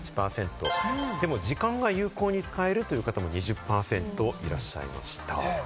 時間が有効に使えるという方も２０％いらっしゃいました。